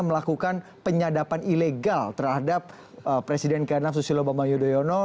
melakukan penyadapan ilegal terhadap presiden knaf susilo bambang yudhoyono